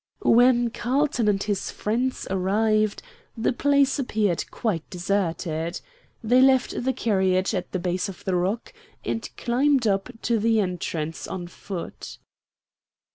When Carlton and his friends arrived, the place appeared quite deserted. They left the carriage at the base of the rock, and climbed up to the entrance on foot.